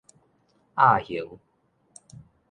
鴨雄